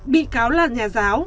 bị cáo là nhà giáo